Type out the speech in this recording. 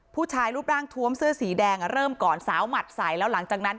ผู้ชายรูปร่างทวมเสื้อสีแดงเริ่มก่อนสาวหมัดใส่แล้วหลังจากนั้น